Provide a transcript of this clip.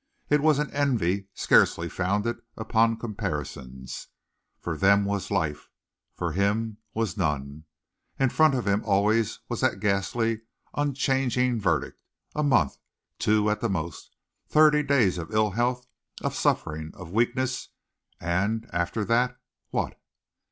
It was an envy scarcely founded upon comparisons. For them was life, for him was none! In front of him always was that ghastly, unchanging verdict: a month two at the most thirty days of ill health, of suffering, of weakness, and after that what?